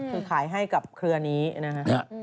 คือขายให้กับเครือนี้นะครับ